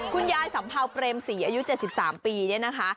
คุณยายสัมภาพเกรมศรีอายุ๗๓ปีนะคะ